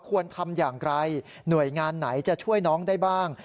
ควรทำอย่างไรหน่วยงานไหนจะช่วยน้องได้บ้าง